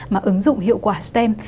mà ứng dụng hiệu quả stem